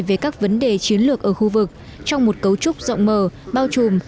về các vấn đề chiến lược ở khu vực trong một cấu trúc rộng mở bao trùm